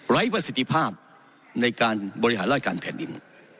ประสิทธิภาพในการบริหารราชการแผ่นดิน